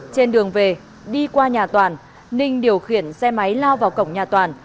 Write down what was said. trên đường về đi qua nhà toàn ninh điều khiển xe máy lao vào cổng nhà toàn